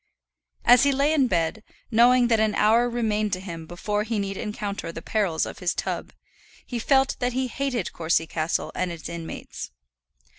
As he lay in bed, knowing that an hour remained to him before he need encounter the perils of his tub, he felt that he hated Courcy Castle and its inmates.